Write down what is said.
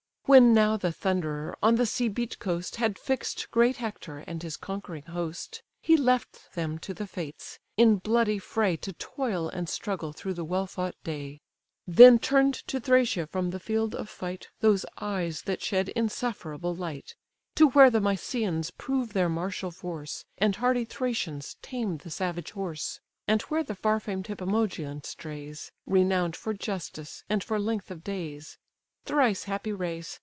When now the Thunderer on the sea beat coast Had fix'd great Hector and his conquering host, He left them to the fates, in bloody fray To toil and struggle through the well fought day. Then turn'd to Thracia from the field of fight Those eyes that shed insufferable light, To where the Mysians prove their martial force, And hardy Thracians tame the savage horse; And where the far famed Hippomolgian strays, Renown'd for justice and for length of days; Thrice happy race!